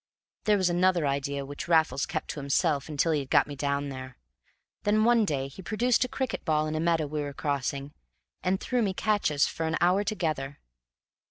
There was another idea which Raffles kept to himself until he had got me down there. Then one day he produced a cricket ball in a meadow we were crossing, and threw me catches for an hour together.